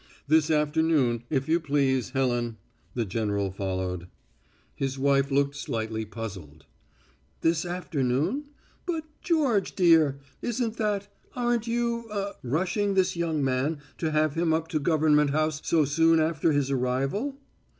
"This afternoon, if you please, Helen," the general followed. His wife looked slightly puzzled. "This afternoon? But, George, dear, isn't that aren't you ah rushing this young man to have him up to Government House so soon after his arrival?"